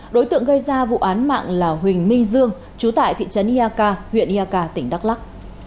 đối tượng gây ra vụ án mạng là huỳnh minh dương trú tại thị trấn ia ca huyện ia ca tỉnh đắk lắc